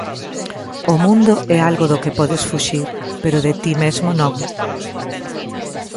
O mundo é algo do que podes fuxir, pero de ti mesmo non.